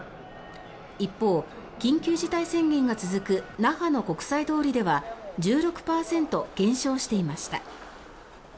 一方、緊急事態宣言が続く那覇の国際通りでは１６％減少していました。